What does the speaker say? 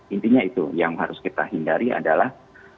intinya itu yang harus kita hindari adalah